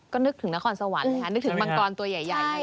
ก็นึกถึงนครสวรรค์นะคะนึกถึงมังกรตัวใหญ่เลย